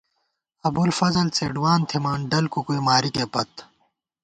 ابُوالفضل څېڈوان تھِمان ڈلکُکُوئی مارِکےپت